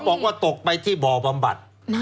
บอกว่าตกไปที่บ่อบำบัด